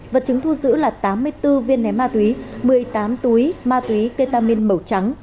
vật chứng thu giữ là tám mươi bốn viên ném ma túy một mươi tám túi ma túy ketamin màu trắng